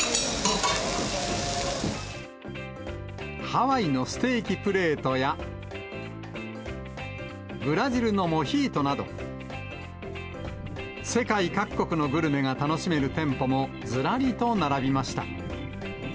ハワイのステーキプレートや、ブラジルのモヒートなど、世界各国のグルメが楽しめる店舗もずらりと並びました。